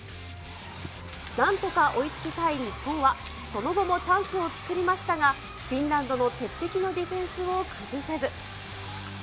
なんとか追いつきたい日本は、その後もチャンスを作りましたが、フィンランドの鉄壁のディフェンスを崩せず。